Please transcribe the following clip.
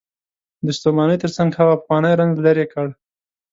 د ستومانۍ تر څنګ هغه پخوانی رنځ لرې کړ.